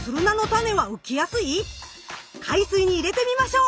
海水に入れてみましょう！